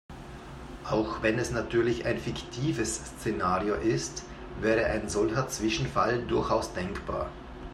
Auch wenn es natürlich ein fiktives Szenario ist, wäre ein solcher Zwischenfall durchaus denkbar.